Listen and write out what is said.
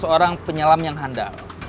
seratus orang penyelam yang handal